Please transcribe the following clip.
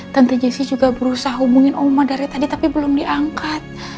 tentu jc juga berusaha hubungin oma dari tadi tapi belum diangkat